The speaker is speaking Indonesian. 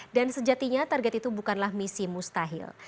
dan sejatinya target itu bukanlah misi mustahil